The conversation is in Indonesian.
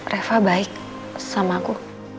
reva baik sama aku